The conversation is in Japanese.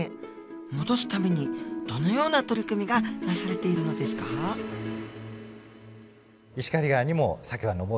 戻すためにどのような取り組みがなされているのですか？